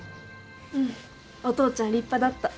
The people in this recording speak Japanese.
うんお父ちゃん立派だった。